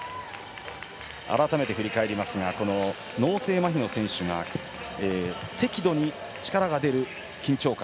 改めて振り返りますが脳性まひの選手が適度に力が出る緊張感。